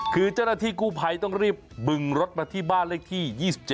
คือเจ้าหน้าที่กู้ภัยต้องรีบบึงรถมาที่บ้านเลขที่๒๗